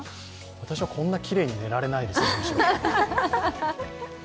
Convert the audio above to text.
私はこんなにきれいに寝られないですね。